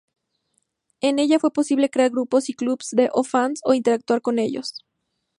En ella fue posible crear grupos y clubes de fans e interactuar con ellos.